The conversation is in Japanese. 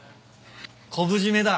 昆布締めだ。